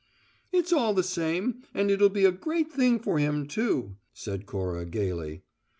"It's all the same and it'll be a great thing for him, too," said Cora, gayly.